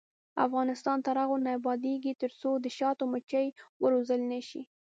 افغانستان تر هغو نه ابادیږي، ترڅو د شاتو مچۍ وروزل نشي.